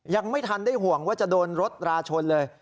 ยังไม่ทันได้ห่วงว่าจะโดนรถราชนเลย